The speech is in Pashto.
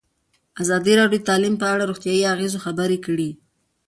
ازادي راډیو د تعلیم په اړه د روغتیایي اغېزو خبره کړې.